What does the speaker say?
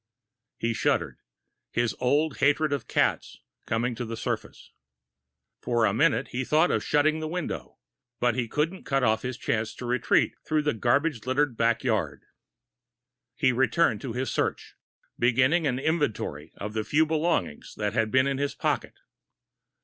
He shuddered, his old hatred of cats coming to the surface. For a minute, he thought of shutting the window. But he couldn't cut off his chance to retreat through the garbage littered back yard. He returned to his search, beginning an inventory of the few belongings that had been in his pocket.